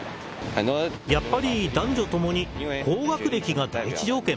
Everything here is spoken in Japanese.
やっぱり男女ともに、高学歴が第一条件。